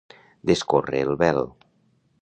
Descórrer el vel.